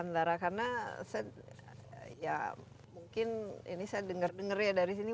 karena mungkin ini saya dengar dengarnya dari sini